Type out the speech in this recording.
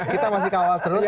kita masih kawal terus